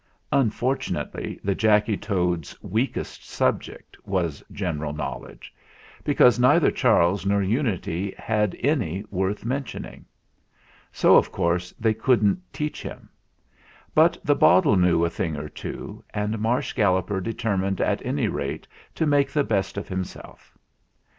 Unfortunately, the Jacky Toad's weakest subject was general knowledge ; because neither Charles nor Unity had any worth mentioning. So, of course, they couldn't teach him. But 236 THE FLINT HEART the bottle knew a thing or two, and Marsh Gal loper determined at any rate to make the best of himself.